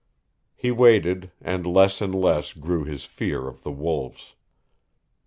He waited, and less and less grew his fear of the wolves.